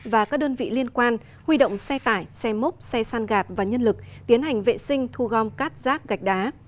và các đơn vị liên quan huy động xe tải xe mốc xe san gạt và nhân lực tiến hành vệ sinh thu gom cát rác gạch đá